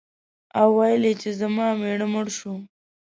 او ویل یې چې زما مېړه مړ شو.